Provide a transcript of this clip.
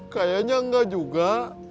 kayaknya enggak juga